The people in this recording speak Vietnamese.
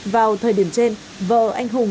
vào thời điểm trên vợ anh hùng